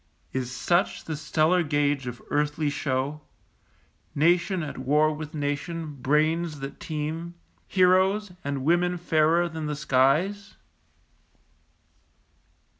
Is such the stellar gauge of earthly show, Nation at war with nation, brains that teem, Heroes, and women fairer than the skies?